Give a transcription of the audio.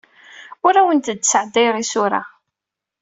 Ur awent-d-sɛeddayeɣ isura.